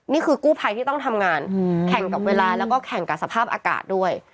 นี่คือกู้ภัยที่ต้องทำงานแข่งกับเวลาแล้วก็แข่งกับสภาพอากาศด้วย